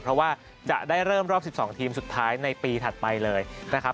เพราะว่าจะได้เริ่มรอบ๑๒ทีมสุดท้ายในปีถัดไปเลยนะครับ